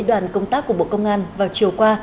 đoàn công tác của bộ công an vào chiều qua